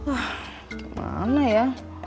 ah gimana ya